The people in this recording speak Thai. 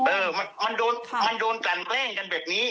เออมันโดนกลั่นแกล้งกันแบบนี้